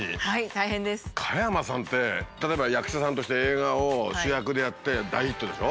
加山さんって例えば役者さんとして映画を主役でやって大ヒットでしょ。